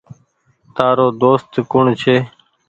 تآرو دوست ڪوڻ ڇي۔